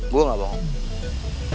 gue gak bangun